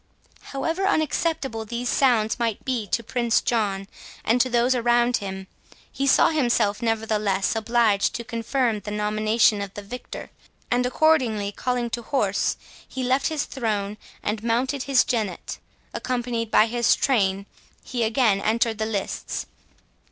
However unacceptable these sounds might be to Prince John, and to those around him, he saw himself nevertheless obliged to confirm the nomination of the victor, and accordingly calling to horse, he left his throne; and mounting his jennet, accompanied by his train, he again entered the lists.